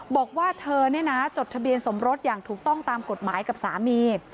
บอกว่าเธอเนี่ยนะจดทะเบียนสมรสอย่างถูกต้องตามกฎหมายกับสามี